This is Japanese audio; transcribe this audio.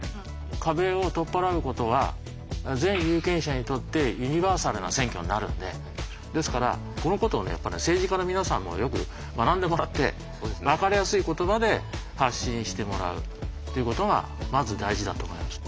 壁を取っ払うことは全有権者にとってユニバーサルな選挙になるのでですからこのことを政治家の皆さんもよく学んでもらってわかりやすい言葉で発信してもらうっていうことがまず大事だと思います。